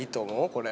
これ。